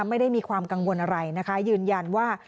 ไม่ได้มีความกังวลอะไรนะคะยืนยันว่า